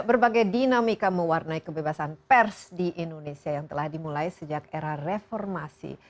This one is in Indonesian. berbagai dinamika mewarnai kebebasan pers di indonesia yang telah dimulai sejak era reformasi